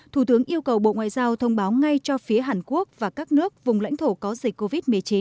thủ tướng yêu cầu bộ ngoại giao thông báo ngay cho phía hàn quốc và các nước vùng lãnh thổ có dịch covid một mươi chín